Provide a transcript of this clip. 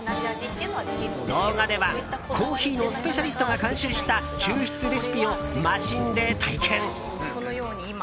動画ではコーヒーのスペシャリストが監修した抽出レシピをマシンで体験。